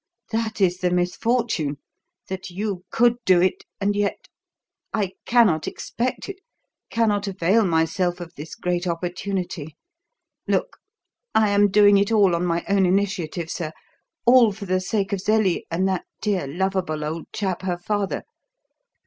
That is the misfortune: that you could do it, and yet I cannot expect it, cannot avail myself of this great opportunity. Look! I am doing it all on my own initiative, sir all for the sake of Zelie and that dear, lovable old chap, her father.